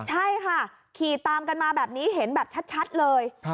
ใช่ค่ะขี่ตามกันมาแบบนี้เห็นแบบชัดเลย